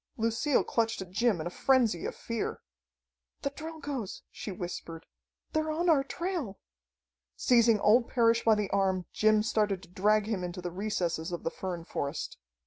Lucille clutched at Jim in a frenzy of fear. "The Drilgoes!" she whispered. "They're on our trail!" Seizing old Parrish by the arm, Jim started to drag him into the recesses of the fern forest.